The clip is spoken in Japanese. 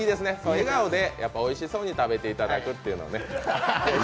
笑顔でおいしそうに食べていただくっていうね。